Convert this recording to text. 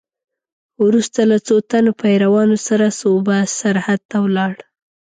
وروسته له څو تنو پیروانو سره صوبه سرحد ته ولاړ.